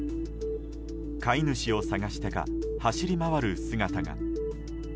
飼い主を探してか走り回る姿が。